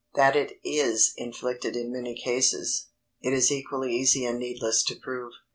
That it is inflicted in many cases, it is equally easy and needless to prove.